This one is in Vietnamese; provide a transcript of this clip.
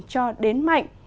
cho đến mạnh